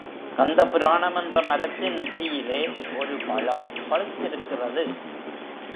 கந்த புராணம் என்ற மரத்தின் உச்சியிலே ஒரு பழம் பழுத்திருக்கிறது.